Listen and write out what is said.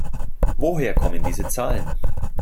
Woher kommen diese Zahlen?